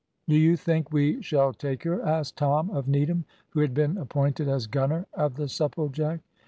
"Do you think we shall take her?" asked Tom of Needham, who had been appointed as gunner of the Supplejack.